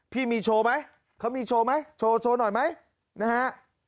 พี่มีโชว์ไหมเขามีโชว์ไหมโชว์โชว์หน่อยไหมนะฮะ